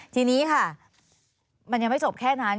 ทีนี้ค่ะมันยังไม่จบแค่นั้น